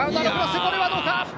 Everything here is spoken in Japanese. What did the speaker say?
これはどうか？